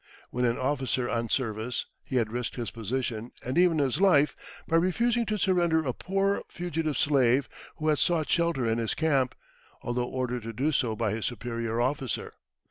When an officer on service, he had risked his position, and even his life, by refusing to surrender a poor fugitive slave who had sought shelter in his camp, although ordered to do so by his superior officer.